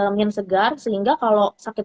angin segar sehingga kalau sakit